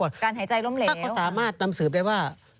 ถ้าเขาสามารถนำสืบได้ว่า